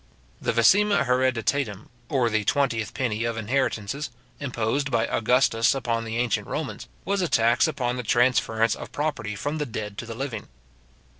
The vicesima hereditatum, or the twentieth penny of inheritances, imposed by Augustus upon the ancient Romans, was a tax upon the transference of property from the dead to the living.